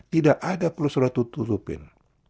tidak ada perlu saudara tutupin